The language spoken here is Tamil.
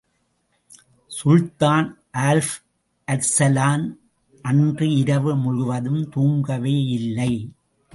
சுல்தான் ஆல்ப் அர்சலான் அன்று இரவு முழுவதும் தூங்கவேயில்லை.